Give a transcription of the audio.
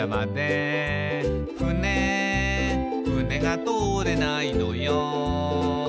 「ふねふねが通れないのよ」